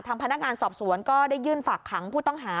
พนักงานสอบสวนก็ได้ยื่นฝากขังผู้ต้องหา